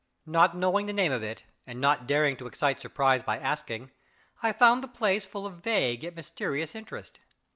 Not knowing the name of it, and not daring to excite surprise by asking, I found the place full of vague yet mysterious interest.